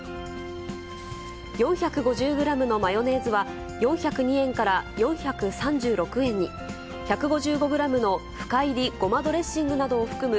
４５０グラムのマヨネーズは、４０２円から４３６円に、１５５グラムの深煎りごまドレッシングなどを含む